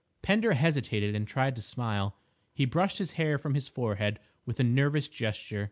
Pender hesitated and tried to smile. He brushed his hair from his forehead with a nervous gesture.